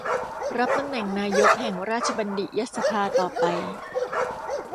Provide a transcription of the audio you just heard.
รับตำแหน่งนายกแห่งราชบัณฑิตยสภาต่อไป